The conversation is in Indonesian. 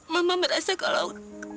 mama merasa kalau